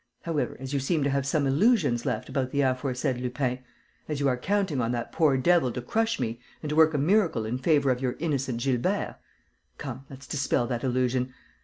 However, as you seem to have some illusions left about the aforesaid Lupin, as you are counting on that poor devil to crush me and to work a miracle in favour of your innocent Gilbert, come, let's dispel that illusion.